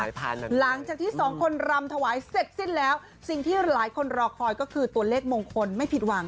หลังจากที่สองคนรำถวายเสร็จสิ้นแล้วสิ่งที่หลายคนรอคอยก็คือตัวเลขมงคลไม่ผิดหวัง